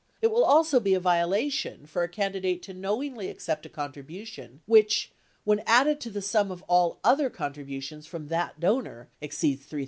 It will also be a violation for a candidate to knowingly accept a contribution which, when added to the sum of all other contributions from that donor, 03 Stans, 2 Hearings 755.